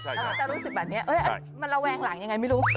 เราก็จะรู้สึกแบบนี้มันระแวงหลังยังไงไม่รู้